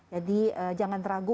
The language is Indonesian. jadi jangan ragu